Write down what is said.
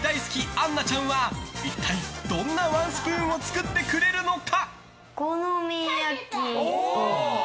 杏菜ちゃんは一体どんなワンスプーンを作ってくれるのか？